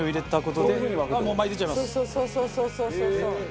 そうそうそうそう。